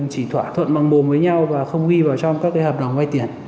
chỉ thỏa thuận bằng mồm với nhau và không ghi vào trong các hợp đồng vay tiền